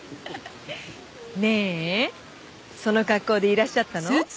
ねえその格好でいらっしゃったの？